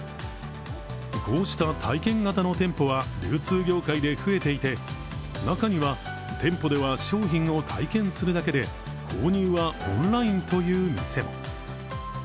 こうした体験型の店舗は流通業界で増えていて中には店舗では商品を体験するだけで購入はオンラインという店も。